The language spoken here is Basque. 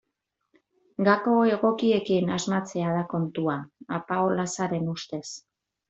Gako egokiekin asmatzea da kontua, Apaolazaren ustez.